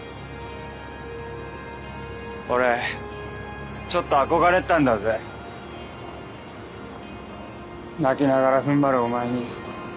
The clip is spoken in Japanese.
俺ちょっと憧れてたんだぜ泣きながら踏ん張るお前に。